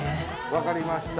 わかりました。